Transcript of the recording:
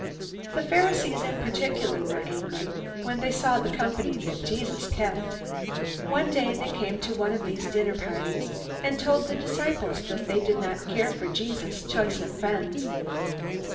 The Pharisees in particular were angry when they saw the company that Jesus kept. One day they came to one of these dinner parties, and told the disciples that they did not care for Jesus' choice of friends.